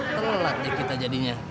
telat deh kita jadinya